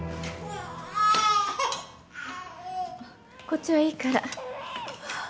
こっちはいいから。